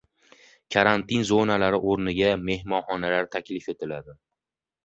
Karantin zonalari o‘rniga mehmonxonalar taklif etiladi